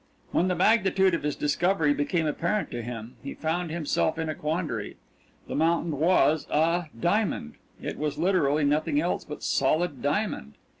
When the magnitude of his discovery became apparent to him, he found himself in a quandary. The mountain was a diamond it was literally nothing else but solid diamond.